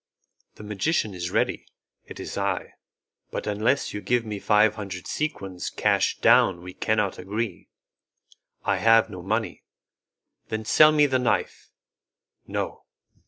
"The magician is ready; it is I, but unless you give me five hundred sequins cash down we cannot agree." "I have no money." "Then sell me the knife." "No."